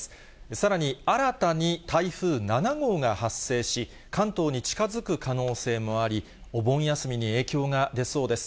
さらに新たに台風７号が発生し、関東に近づく可能性もあり、お盆休みに影響が出そうです。